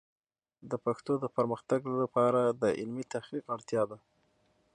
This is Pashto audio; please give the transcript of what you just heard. د پښتو د پرمختګ لپاره د علمي تحقیق اړتیا ده.